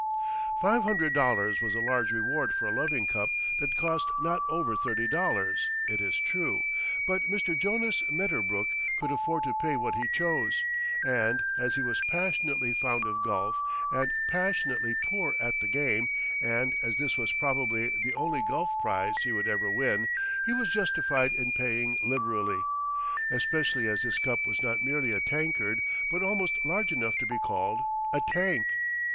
Five hundred dollars was a large reward for a loving cup that cost not over thirty dollars, it is true, but Mr. Jonas Medderbrook could afford to pay what he chose, and as he was passionately fond of golf and passionately poor at the game, and as this was probably the only golf prize he would ever win, he was justified in paying liberally, especially as this cup was not merely a tankard, but almost large enough to be called a tank.